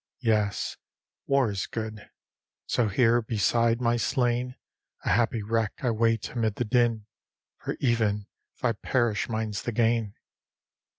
Yes, War is good. So here beside my slain, A happy wreck I wait amid the din; For even if I perish mine's the gain.